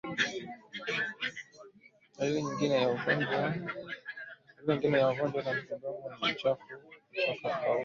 Dalili nyingine ya ugonjwa wa miguu na midomo ni uchafu kutoka puani